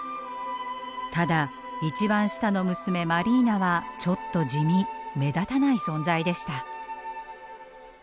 ただ一番下の娘マリーナはちょっと地味目立たない存在でした。